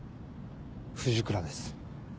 藤倉です。